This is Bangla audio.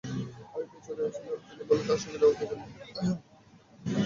আমি পেছনে পেছনে এলে তিনি বললেন, তাঁর সঙ্গে যাওয়ার প্রয়োজন নেই।